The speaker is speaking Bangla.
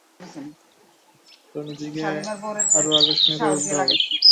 তোর নিজেকে আরও আকর্ষণীয় করে তুলতে হবে।